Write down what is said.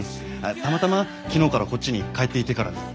たまたま昨日からこっちに帰っていてからに。